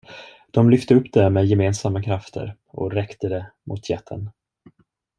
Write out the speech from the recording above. De lyfte upp det med gemensamma krafter och räckte det mot jätten.